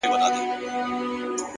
نیک چلند د زړونو نږدېوالی زیاتوي!.